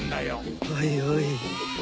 おいおいえ！